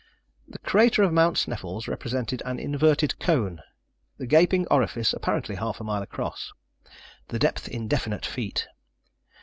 The crater of Mount Sneffels represented an inverted cone, the gaping orifice apparently half a mile across; the depth indefinite feet.